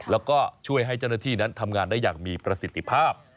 แล้วก็ช่วยให้เจ้าหน้าที่นั้นทำงานได้อย่างมีประสิทธิภาพ